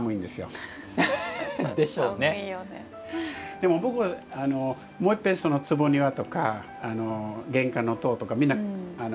でも僕はもういっぺん坪庭とか玄関の戸とか皆ガラスに替える